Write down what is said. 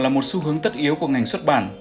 một xu hướng tất yếu của ngành xuất bản